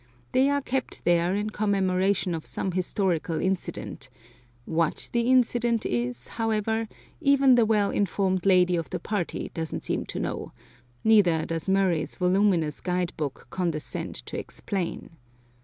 They are kept there in commemoration of some historical incident; what the incident is, however, even the well informed lady of the party doesn't seem to know; neither does Murray's voluminous guide book condescend to explain.